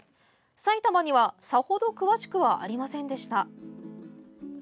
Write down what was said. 埼玉にはさほど詳しくはありませんでした。